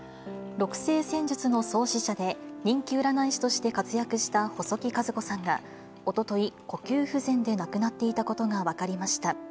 六星占術の創始者で、人気占い師として活躍した細木数子さんが、おととい、呼吸不全で亡くなっていたことが分かりました。